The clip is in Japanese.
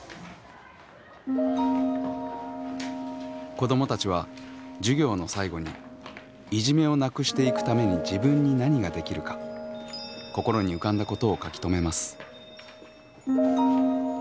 子どもたちは授業の最後にいじめをなくしていくために自分に何ができるか心に浮かんだことを書き留めます。